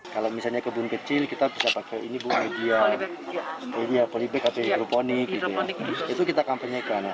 kalau misalnya kebun kecil kita bisa pakai ini bunga dia polyback atau hidroponik itu kita kampanyekan